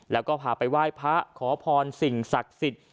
แล้วก็พาไปไหว้พระขอพรสิ่งศักดิ์สิทธิ์